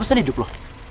udah pesen hidup lo